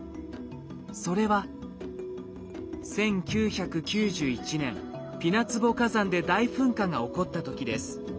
それは１９９１年ピナツボ火山で大噴火が起こった時です。